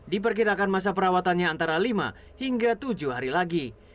diperkirakan masa perawatannya antara lima hingga tujuh hari lagi